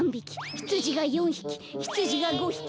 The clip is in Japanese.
ひつじが１８８４ひきひつじが１８８５ひき。